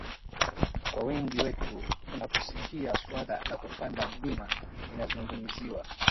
kwa wengi wetu unaposikia swala la kupanda mlima linazungumziwa